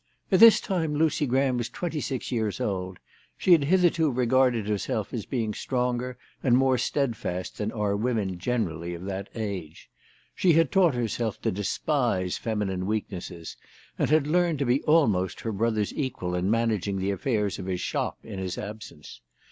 At this time Lucy Graham was twenty six years old. She had hitherto regarded herself as being stronger and more steadfast than are women generally of that age. She had taught herself to despise feminine weaknesses, and had learned to be almost her brother's equal in managing the affairs of his shop in his absence.